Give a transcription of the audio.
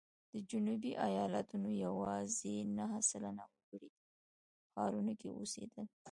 د جنوبي ایالتونو یوازې نهه سلنه وګړي په ښارونو کې اوسېدل.